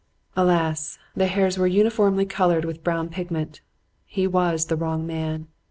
"Alas! The hairs were uniformly colored with brown pigment! He was the wrong man.